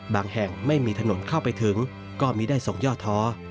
แห่งไม่มีถนนเข้าไปถึงก็มีได้ส่งย่อท้อ